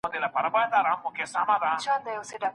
تل پر خپل روښانه راتلونکي مثبت فکر وکړئ.